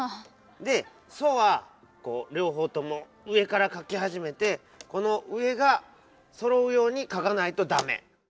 で「ソ」はりょうほうとも上から書きはじめてこの上がそろうように書かないとダメ。